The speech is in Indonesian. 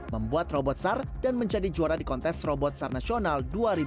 membuat robot sar dan menjadi juara di kontes robot sar nasional dua ribu dua puluh